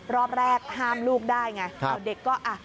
รอบแรกห้ามลูกได้ไงแต่เด็กก็